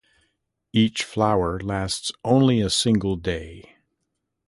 Each flower lasts only a single day.